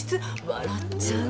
笑っちゃう。